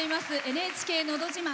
「ＮＨＫのど自慢」。